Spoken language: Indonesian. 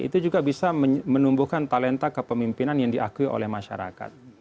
itu juga bisa menumbuhkan talenta kepemimpinan yang diakui oleh masyarakat